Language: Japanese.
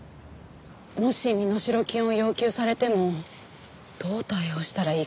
もし身代金を要求されてもどう対応したらいいか。